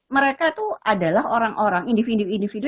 mereka itu adalah orang orang individu individu